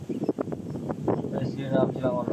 তার স্ত্রীর নাম ছিল আমানত।